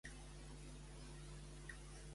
Voldria posar-me en contacte amb el papa.